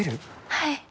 はい。